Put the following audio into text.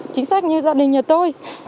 chính sách như gia đình nhà tôi